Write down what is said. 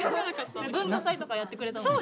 文化祭とかやってくれたの。